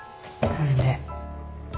何で！